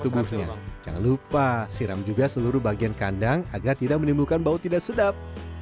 tubuhnya jangan lupa siram juga seluruh bagian kandang agar tidak menimbulkan bau tidak sedap